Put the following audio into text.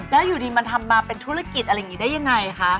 แล้วอยู่ดีมันทำมาเป็นธุรกิจอะไรอย่างนี้ได้ยังไงคะ